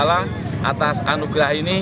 atas anugerah ini